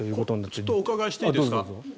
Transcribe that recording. ちょっとお伺いしていいですか。